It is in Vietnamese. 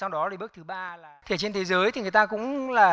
trên thế giới thì người ta cũng là